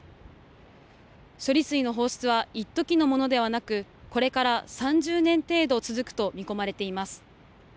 処理水の放出は一時のものではなくこれから３０年程度続くと見込まれています。